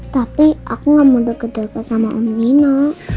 tapi aku gak mau deg deg sama om nino